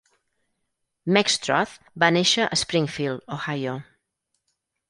Meckstroth va néixer a Springfield, Ohio.